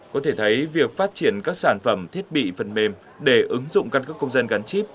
có thể thấy việc phát triển các sản phẩm thiết bị phần mềm để ứng dụng căn cước công dân gắn chip